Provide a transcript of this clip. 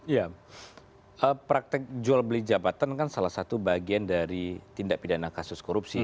ya praktek jual beli jabatan kan salah satu bagian dari tindak pidana kasus korupsi